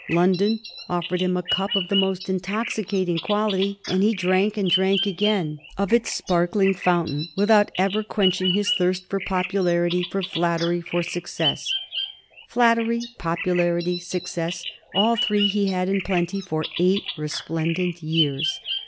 London offered him a cup of the most intoxicating qual ity, and he drank and drank again of its sparkling fount* ain without ever quenching his thirst for popularity, for flattery, for success. Flattery, popularity, success — all three he had in plenty for eight resplendent years.